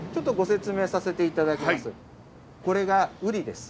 これがウリです。